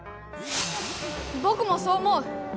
ぼくもそう思う。